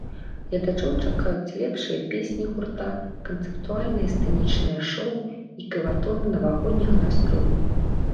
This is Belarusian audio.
Гледачоў чакаюць лепшыя песні гурта, канцэптуальнае сцэнічнае шоў і кілатоны навагодняга настрою.